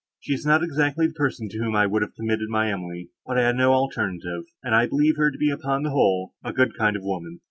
She is not exactly the person, to whom I would have committed my Emily, but I had no alternative, and I believe her to be upon the whole—a good kind of woman.